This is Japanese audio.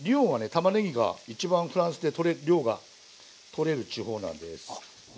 たまねぎが一番フランスで量が取れる地方なんです。